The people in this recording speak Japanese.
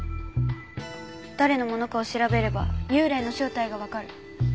誰のものかを調べれば幽霊の正体がわかる。